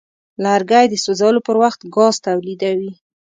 لرګی د سوځولو پر وخت ګاز تولیدوي.